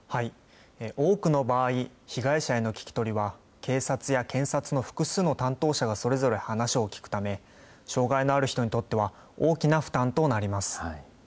多くの場合、被害者への聞き取りは警察や検察の複数の担当者がそれぞれ話を聞くため、障害のある人にとっては、大きな負担となります。